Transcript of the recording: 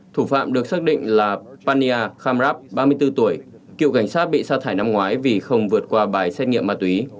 thủ phạm được xác định là pania khamrab ba mươi bốn tuổi cựu cảnh sát bị xa thải năm ngoái vì không vượt qua bài xét nghiệm ma túy